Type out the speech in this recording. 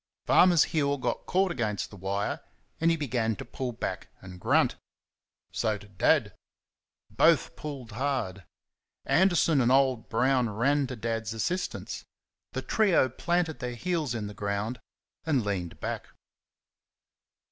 Farmer's heel got caught against the wire, and he began to pull back and grunt so did Dad. Both pulled hard. Anderson and old Brown ran to Dad's assistance. The trio planted their heels in the ground and leaned back.